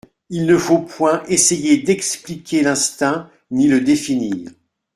Il ne faut point essayer d'expliquer l'instinct ni le définir.